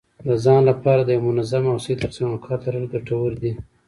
د ځان لپاره د یو منظم او صحي تقسیم اوقات لرل ګټور دي.